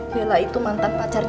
bella itu mantan pacarnya randy